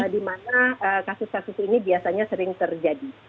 dimana kasus kasus ini biasanya sering terjadi